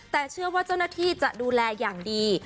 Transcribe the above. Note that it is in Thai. แต่เชื่อว่าเจ้าหน้าที่จะดูแลอย่างดี